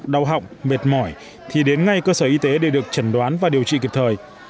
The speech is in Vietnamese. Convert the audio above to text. đau họng mệt mỏi thì đến ngay cơ sở y tế để được chẩn đoán và điều trị kịp thời